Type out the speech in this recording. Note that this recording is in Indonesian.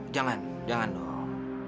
jangan jangan dong